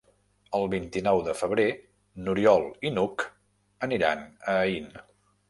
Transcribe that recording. El vint-i-nou de febrer n'Oriol i n'Hug aniran a Aín.